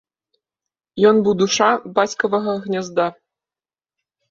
Ён быў душа бацькавага гнязда.